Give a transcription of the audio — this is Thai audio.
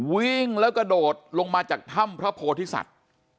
วิ่งแล้วกระโดดลงมาจากถ้ำพระโพธิสัตว์